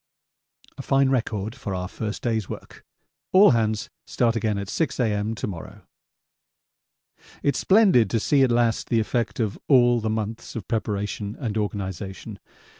A fine record for our first day's work. All hands start again at 6 A.M. to morrow. It's splendid to see at last the effect of all the months of preparation and organisation.